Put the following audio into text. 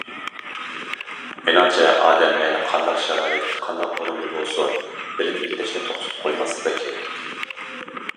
مېنىڭچە ئادەم مەيلى قانداق شارائىت، قانداق ئورۇندا بولسۇن بىلىم ئىگىلەشنى توختىتىپ قويماسلىقى كېرەك.